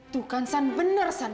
tuh kan san bener san